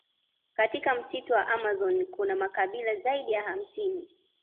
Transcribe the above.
Katika msitu wa amazon kuna makabila zaidi ya hamsini